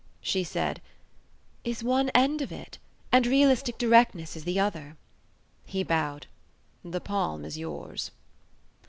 She said, "Is one end of it, and realistic directness is the other." He bowed. "The palm is yours."